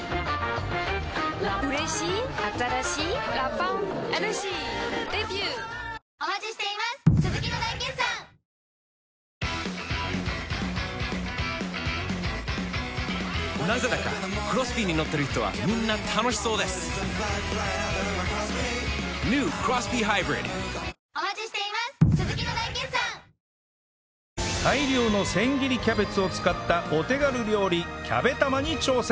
「パーフェクトホイップ」大量の千切りキャベツを使ったお手軽料理キャベ玉に挑戦